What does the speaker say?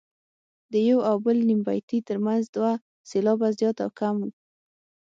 د یو او بل نیم بیتي ترمنځ دوه سېلابه زیات او کم.